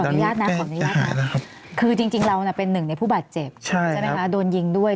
อนุญาตนะขออนุญาตนะคือจริงเราเป็นหนึ่งในผู้บาดเจ็บใช่ไหมคะโดนยิงด้วย